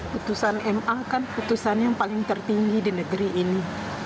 putusan ma kan putusannya yang paling tertinggi di negeri ini